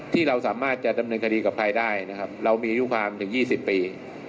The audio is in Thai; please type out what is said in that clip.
ที่เราสามารถจะดำเนินคดีกับใครได้นะครับเรามีอายุความถึง๒๐ปี